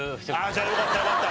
じゃあよかったよかった。